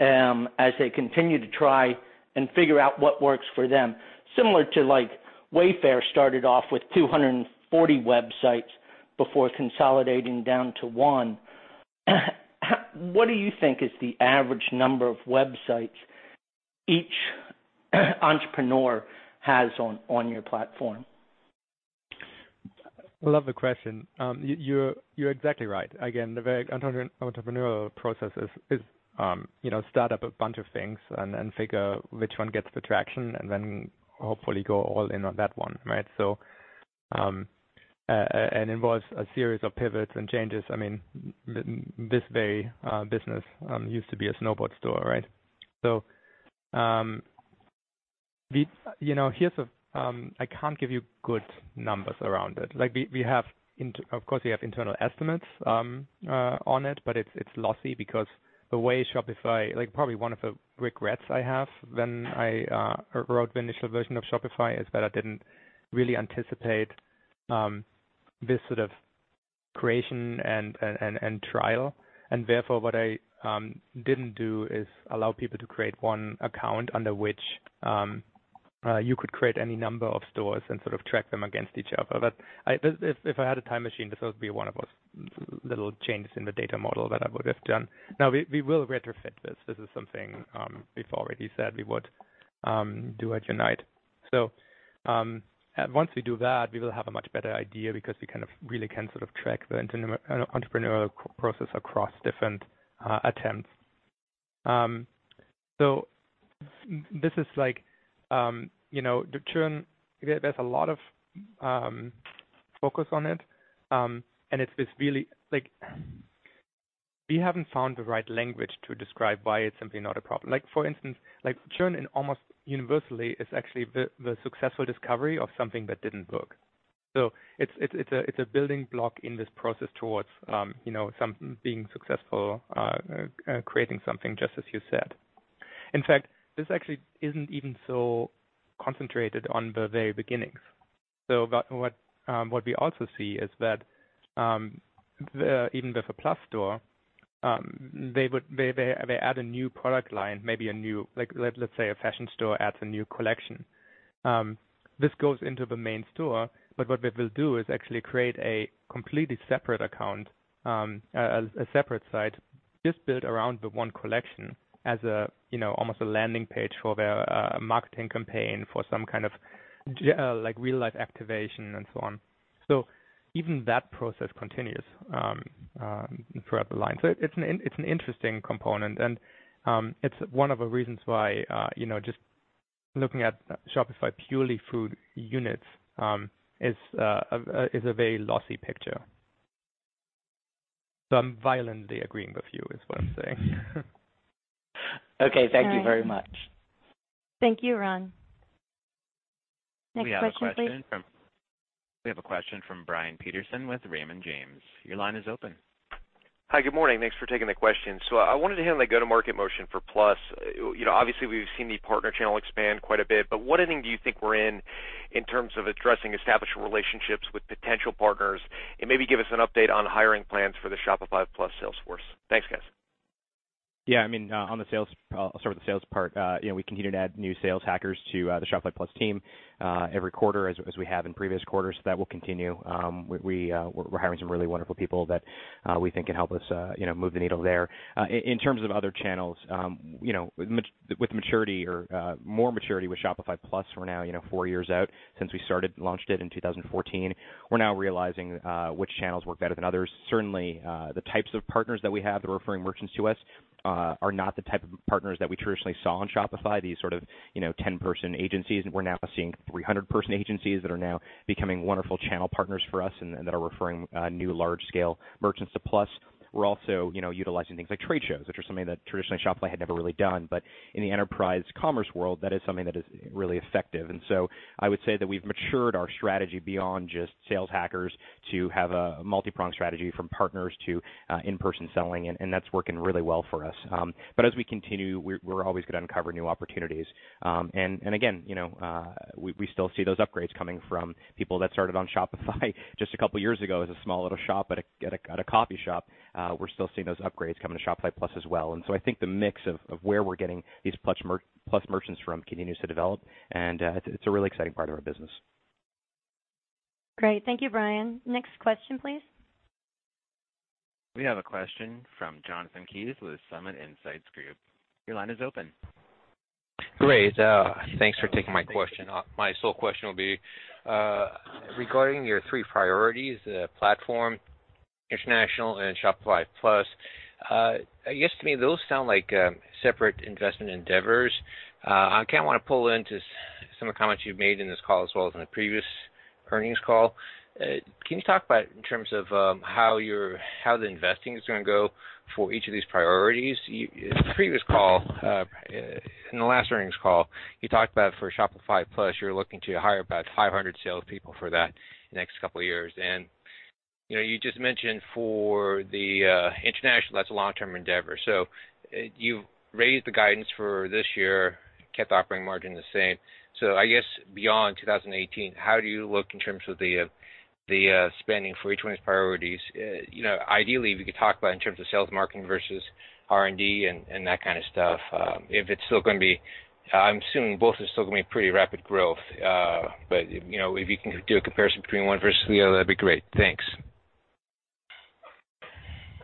[SPEAKER 22] as they continue to try and figure out what works for them? Similar to like, Wayfair started off with 240 websites before consolidating down to one. What do you think is the average number of websites each entrepreneur has on your platform?
[SPEAKER 8] I love the question. You're exactly right. Again, the very entrepreneurial process is, you know, start up a bunch of things and then figure which one gets the traction and then hopefully go all in on that one, right? And involves a series of pivots and changes. I mean, this very business used to be a snowboard store, right? We, you know, here's a, I can't give you good numbers around it. Like we, of course, we have internal estimates on it, but it's lossy because the way Shopify, like probably one of the regrets I have when I wrote the initial version of Shopify is that I didn't really anticipate this sort of creation and trial. What I didn't do is allow people to create one account under which you could create any number of stores and sort of track them against each other. If I had a time machine, this would be one of those little changes in the data model that I would have done. We will retrofit this. This is something we've already said we would do at Unite. Once we do that, we will have a much better idea because we kind of really can sort of track the entrepreneurial process across different attempts. This is like, you know, the churn, there's a lot of focus on it. This really, like, we haven't found the right language to describe why it's simply not a problem. Like, for instance, like churn in almost universally is actually the successful discovery of something that didn't work. It's a building block in this process towards, you know, being successful, creating something just as you said. In fact, this actually isn't even so concentrated on the very beginnings. What we also see is that, the, even with a Plus store, they would add a new product line, maybe a new, like let's say a fashion store adds a new collection. This goes into the main store, what they will do is actually create a completely separate account, a separate site just built around the one collection as a, you know, almost a landing page for their marketing campaign for some kind of real-life activation and so on. Even that process continues throughout the line. It's an interesting component, and it's one of the reasons why, you know, just looking at Shopify purely through units, is a very lossy picture. I'm violently agreeing with you is what I'm saying.
[SPEAKER 22] Okay. All right. Thank you very much.
[SPEAKER 2] Thank you, Ron. Next question, please.
[SPEAKER 1] We have a question from Brian Peterson with Raymond James. Your line is open.
[SPEAKER 23] Hi. Good morning. Thanks for taking the question. I wanted to hear on the go-to-market motion for Shopify Plus. You know, obviously we've seen the partner channel expand quite a bit, what inning do you think we're in in terms of addressing established relationships with potential partners? Maybe give us an update on hiring plans for the Shopify Plus sales force. Thanks, guys.
[SPEAKER 3] Yeah, I mean, on the sales, I'll start with the sales part. You know, we continue to add new sales hackers to the Shopify Plus team every quarter as we have in previous quarters. That will continue. We're hiring some really wonderful people that we think can help us, you know, move the needle there. In terms of other channels, you know, with maturity or more maturity with Shopify Plus, we're now, you know, four years out since we started, launched it in 2014. We're now realizing which channels work better than others. Certainly, the types of partners that we have that are referring merchants to us are not the type of partners that we traditionally saw on Shopify, these sort of, you know, ten-person agencies. We're now seeing 300 person agencies that are now becoming wonderful channel partners for us and that are referring new large-scale merchants to Plus. We're also, you know, utilizing things like trade shows, which are something that traditionally Shopify had never really done. In the enterprise commerce world, that is something that is really effective. I would say that we've matured our strategy beyond just sales hackers to have a multi-pronged strategy from partners to in-person selling, and that's working really well for us. As we continue, we're always gonna uncover new opportunities. Again, you know, we still see those upgrades coming from people that started on Shopify just a couple years ago as a small little shop at a coffee shop. We're still seeing those upgrades come to Shopify Plus as well. I think the mix of where we're getting these Plus merchants from continues to develop, and it's a really exciting part of our business.
[SPEAKER 2] Great. Thank you, Brian. Next question, please.
[SPEAKER 1] We have a question from Jonathan Kees with Summit Insights Group. Your line is open.
[SPEAKER 24] Great. Thanks for taking my question. My sole question will be regarding your three priorities, the platform, international, and Shopify Plus. I guess to me, those sound like separate investment endeavors. I kind of want to pull into some of the comments you've made in this call as well as in the previous earnings call. Can you talk about in terms of how you're, how the investing is going to go for each of these priorities? You, in the previous call, in the last earnings call, you talked about for Shopify Plus, you're looking to hire about 500 salespeople for that the next couple years. You know, you just mentioned for the international, that's a long-term endeavor. You've raised the guidance for this year, kept operating margin the same. I guess beyond 2018, how do you look in terms of the spending for each one of these priorities? You know, ideally, if you could talk about in terms of sales marketing versus R&D and that kind of stuff, if it's still gonna be I'm assuming both are still gonna be pretty rapid growth. You know, if you can do a comparison between one versus the other, that'd be great. Thanks.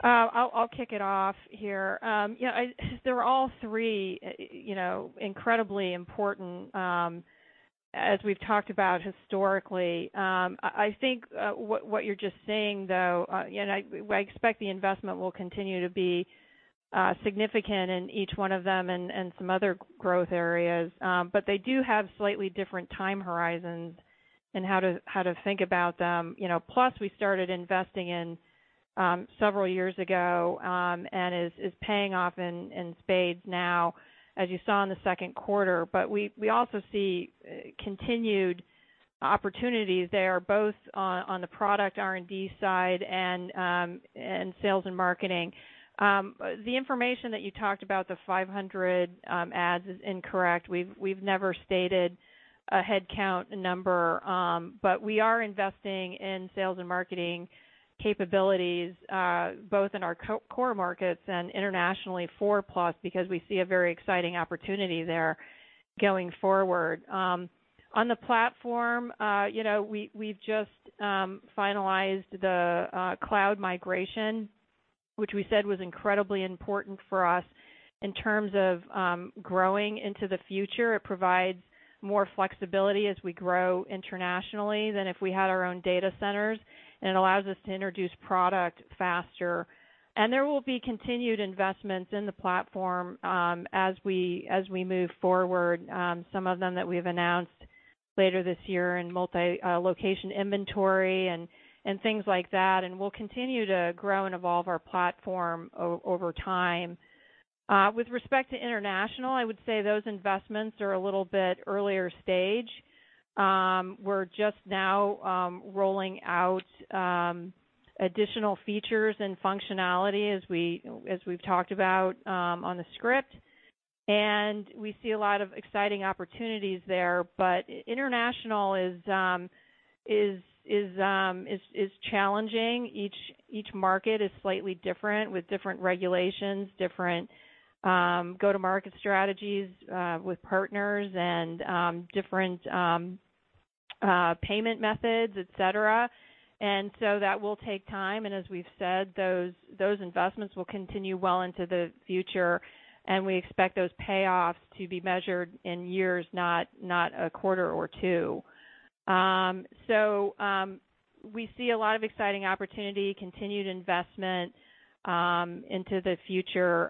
[SPEAKER 4] I'll kick it off here. You know, I, they're all three, you know, incredibly important, as we've talked about historically. I think what you're just saying, though, you know, I, well, I expect the investment will continue to be significant in each one of them and some other growth areas. But they do have slightly different time horizons in how to think about them. You know, Plus we started investing in several years ago and is paying off in spades now as you saw in the second quarter. But we also see continued opportunities there both on the product R&D side and sales and marketing. The information that you talked about, the 500 adds is incorrect. We've never stated a headcount number. We are investing in sales and marketing capabilities, both in our core markets and internationally for Plus because we see a very exciting opportunity there going forward. On the platform, you know, we've just finalized the cloud migration, which we said was incredibly important for us in terms of growing into the future. It provides more flexibility as we grow internationally than if we had our own data centers, and it allows us to introduce product faster. There will be continued investments in the platform as we, as we move forward, some of them that we've announced later this year in multi-location inventory and things like that, and we'll continue to grow and evolve our platform over time. With respect to international, I would say those investments are a little bit earlier stage. We're just now rolling out additional features and functionality as we've talked about on the script. We see a lot of exciting opportunities there, but international is challenging. Each market is slightly different with different regulations, different go-to-market strategies, with partners and different payment methods, et cetera. So that will take time, and as we've said, those investments will continue well into the future, and we expect those payoffs to be measured in years, not a quarter or two. We see a lot of exciting opportunity, continued investment into the future,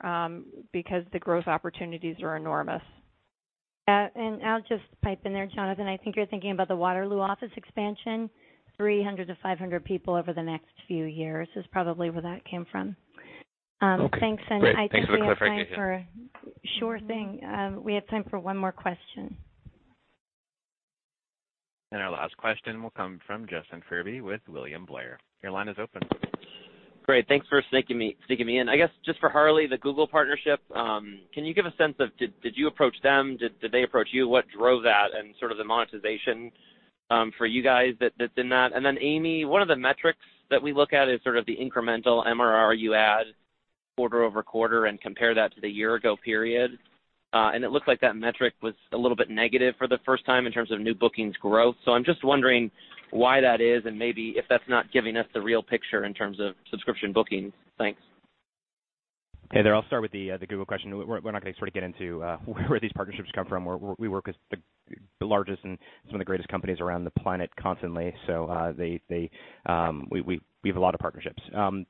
[SPEAKER 4] because the growth opportunities are enormous.
[SPEAKER 2] I'll just pipe in there, Jonathan. I think you're thinking about the Waterloo office expansion, 300 to 500 people over the next few years is probably where that came from.
[SPEAKER 24] Okay.
[SPEAKER 2] Thanks, and I think we have time for-
[SPEAKER 24] Great. Thanks for the clarification.
[SPEAKER 2] Sure thing. We have time for one more question.
[SPEAKER 1] Our last question will come from Justin Furby with William Blair. Your line is open.
[SPEAKER 25] Great. Thanks for sneaking me in. I guess just for Harley, the Google partnership, can you give a sense of did you approach them? Did they approach you? What drove that and sort of the monetization for you guys that did that? Then Amy, one of the metrics that we look at is sort of the incremental MRR you add quarter-over-quarter and compare that to the year-ago period. It looks like that metric was a little bit negative for the first time in terms of new bookings growth. I'm just wondering why that is and maybe if that's not giving us the real picture in terms of subscription bookings. Thanks.
[SPEAKER 3] Hey there. I'll start with the Google question. We're not gonna sort of get into where these partnerships come from. We work with the largest and some of the greatest companies around the planet constantly. They, we have a lot of partnerships.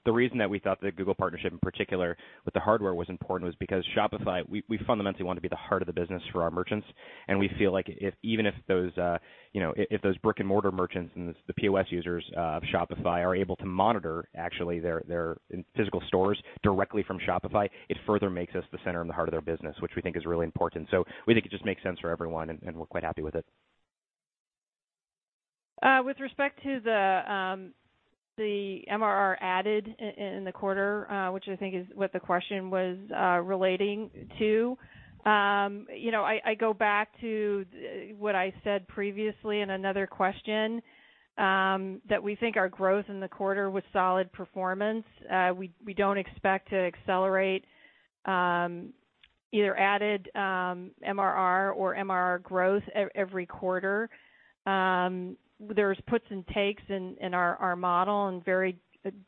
[SPEAKER 3] The reason that we thought the Google partnership in particular with the hardware was important was because Shopify, we fundamentally want to be the heart of the business for our merchants, and we feel like if even if those, you know, if those brick-and-mortar merchants and the POS users of Shopify are able to monitor actually their physical stores directly from Shopify, it further makes us the center and the heart of their business, which we think is really important. We think it just makes sense for everyone, and we're quite happy with it.
[SPEAKER 4] With respect to the MRR added in the quarter, which I think is what the question was relating to, you know, I go back to what I said previously in another question, that we think our growth in the quarter was solid performance. We don't expect to accelerate either added MRR or MRR growth every quarter. There's puts and takes in our model and varied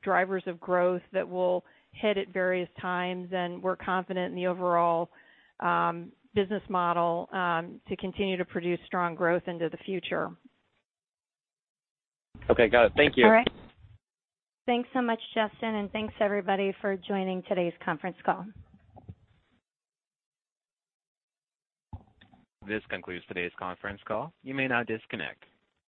[SPEAKER 4] drivers of growth that will hit at various times, and we're confident in the overall business model to continue to produce strong growth into the future.
[SPEAKER 25] Okay. Got it. Thank you.
[SPEAKER 2] All right. Thanks so much, Justin. Thanks everybody for joining today's conference call.
[SPEAKER 1] This concludes today's conference call. You may now disconnect.